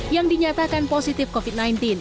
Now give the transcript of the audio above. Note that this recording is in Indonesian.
yang dinyatakan positif covid sembilan belas